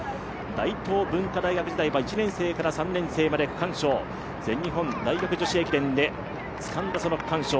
大東文化大学時代は１年生から３年生まで区間賞、全日本大学女子駅伝でつかんだその区間賞。